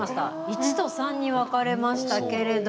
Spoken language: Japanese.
１と３に分かれましたけれども。